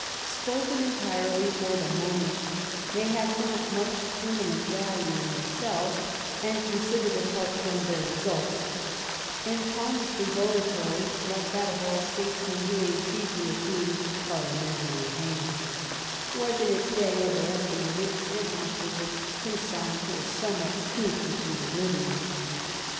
Spoken entirely for the moment, they have not much permanent value, in them selves and considered apart from their results ; and Falmerston's oratory, like that of all statesmen who aim chiefly at being "Parliamentary hands,*' was in its day over estimated, and afterwards consigned to a somewhat too complete oblivion.